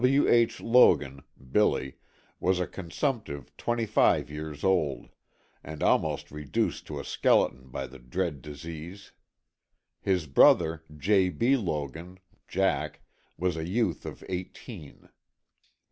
W. H. Logan (Billy) was a consumptive, twenty five years old, and almost reduced to a skeleton by the dread disease. His brother, J. B. Logan (Jack) was a youth of eighteen.